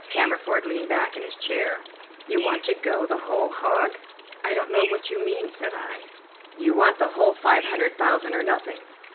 Cammerford leaned back in his chair. "You want to go the whole hog?" "I don't know what you mean," said I. "You want the whole five hundred thousand or nothing.